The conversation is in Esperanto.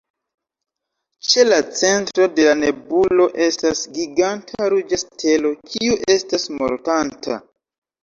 Ĉe la centro de la nebulo estas giganta ruĝa stelo, kiu estas mortanta.